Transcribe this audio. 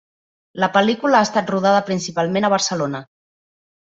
La pel·lícula ha estat rodada principalment a Barcelona.